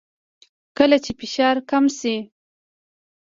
کله چې فشار کم شي